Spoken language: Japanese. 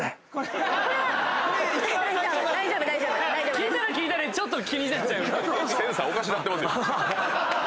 聞いたら聞いたでちょっと気になっちゃう。